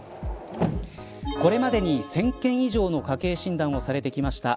これまでに１０００件以上の家計診断をされてきました